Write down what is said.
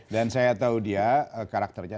dan saya tahu dia karakternya